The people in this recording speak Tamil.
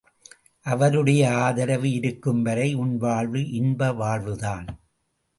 அவருடைய ஆதரவு இருக்கும் வரை உன் வாழ்வு இன்ப வாழ்வுதான்.